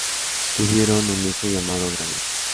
Tuvieron un hijo llamado Gabriel.